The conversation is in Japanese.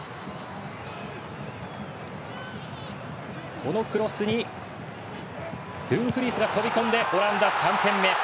このクロスにドゥンフリースが飛び込んでオランダ３点目！